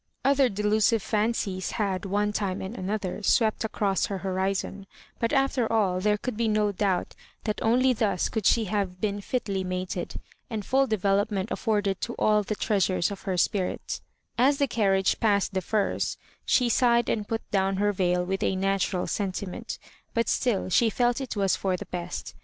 Other delu sive fandes Tiad one time and another swept across her horizon; but after all there could be no doubt that only thus could she have been fitly mated, and full development afforded to all the treasures of her sprit As the 3ar Digitized by VjOOQIC 1B% MISS MABJOBIBANSa riage passed The Firs she sighed and put down her yell with a natural sentiment, but still she felt it was for the best.